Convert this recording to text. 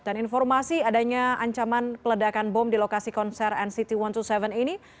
informasi adanya ancaman peledakan bom di lokasi konser nct satu ratus dua puluh tujuh ini